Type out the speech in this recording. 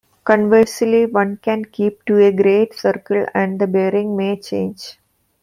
Conversely, one can keep to a great circle and the bearing may change.